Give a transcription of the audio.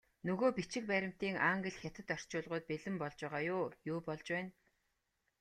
Нөгөө бичиг баримтын англи, хятад орчуулгууд бэлэн болж байгаа юу, юу болж байна?